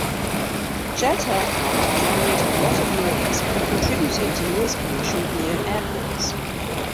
Jet aircraft generate a lot of noise, contributing to noise pollution near airports.